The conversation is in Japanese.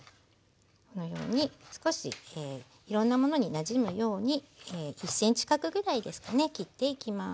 このように少しいろんなものになじむように１ｃｍ角ぐらいですかね切っていきます。